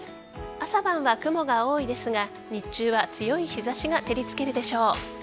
朝晩は雲が多いですが日中は強い日差しが照りつけるでしょう。